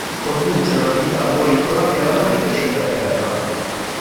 Conduce una vita arboricola e raramente scende a terra.